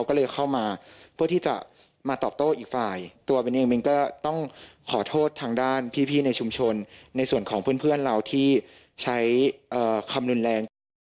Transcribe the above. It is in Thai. ก็เลยเข้ามาเพื่อที่จะมาตอบโต้อีกฝ่ายตัวเป็นเองมันก็ต้องขอโทษทางด้านพี่ในชุมชนในส่วนของเพื่อนเราที่ใช้คำรุนแรงขึ้น